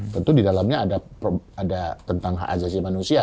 tentu di dalamnya ada tentang hak azazi manusia